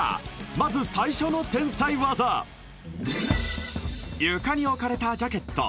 まず最初の天才技床に置かれたジャケット